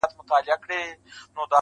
پکښي عیب یې وو د هر سړي کتلی -